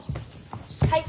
はい！